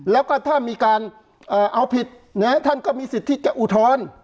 แล้วก็ถ้ามีการเอ่อเอาผิดเนี้ยท่านก็มีสิทธิ์จะอุทธรณ์